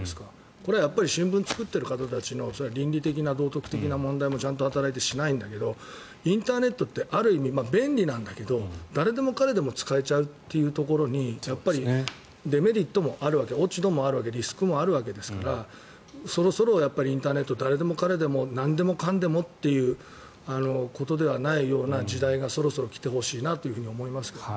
これは新聞を作っている方たちの倫理的、道徳的な問題もちゃんと働いてしないんだけどインターネットってある意味便利なんだけど誰でも彼でも使えちゃうというところにやっぱりデメリットもあるわけ落ち度もあるわけリスクもあるわけですからそろそろインターネット誰でも彼でもなんでもかんでもということではないような時代がそろそろ来てほしいなと思いますけどね。